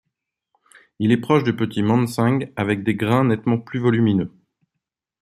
Il est proche du petit manseng, avec des grains nettement plus volumineux.